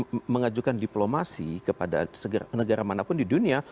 kita mengajukan diplomasi kepada negara manapun di dunia